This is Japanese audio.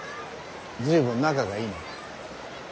随分仲がいいな。